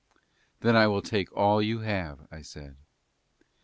"Then I will take all you have," I said.